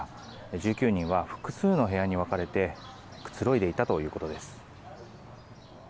１９人は複数の部屋に分かれてくつろいでいたということです。